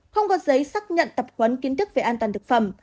không có giấy xác nhận tập huấn kiến thức về an toàn thực phẩm